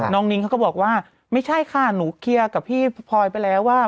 นิ้งเขาก็บอกว่าไม่ใช่ค่ะหนูเคลียร์กับพี่พลอยไปแล้วว่า